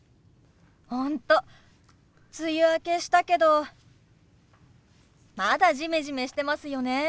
本当梅雨明けしたけどまだジメジメしてますよね。